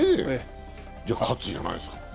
じゃ喝じゃないですか？